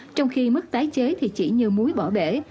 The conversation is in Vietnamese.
trong khi mức tái chế thì chỉ như muối bỏ bể